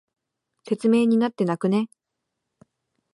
説明になってなくね？